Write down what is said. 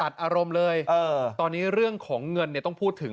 อารมณ์เลยตอนนี้เรื่องของเงินเนี่ยต้องพูดถึง